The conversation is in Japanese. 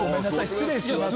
失礼します。